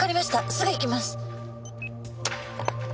すぐ行きます。